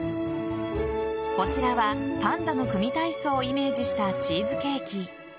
こちらはパンダの組体操をイメージしたチーズケーキ。